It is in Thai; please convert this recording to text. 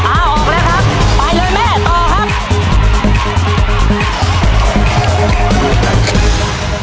ออกแล้วครับไปเลยแม่ต่อครับ